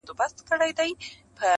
o ستا د څوڼو ځنگلونه زمـا بــدن خـوري.